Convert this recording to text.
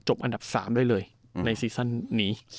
จบอันดับ๓ด้วยเลยในซีซอนนี้